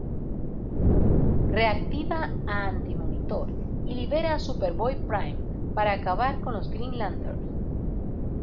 Reactiva a Antimonitor y libera a Superboy Prime para acabar con los Green Lanterns.